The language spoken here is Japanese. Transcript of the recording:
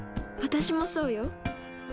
私もそうよ。